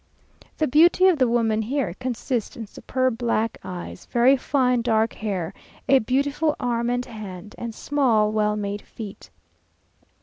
The beauty of the women here consist in superb black eyes, very fine dark hair, a beautiful arm and hand, and small, well made feet.